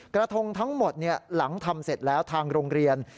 กระทงทั้งหมดหลังทำเสร็จแล้วทางโรงเรียน